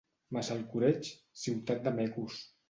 Massalcoreig, ciutat de mecos.